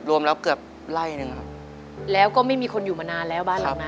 รวมแล้วเกือบไล่หนึ่งครับแล้วก็ไม่มีคนอยู่มานานแล้วบ้านหลังนั้น